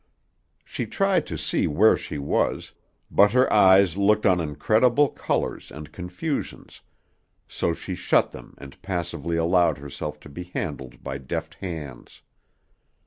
She tried to see where she was, but her eyes looked on incredible colors and confusions, so she shut them and passively allowed herself to be handled by deft hands.